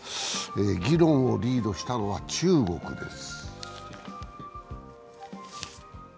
議論をリードしたのは中国です。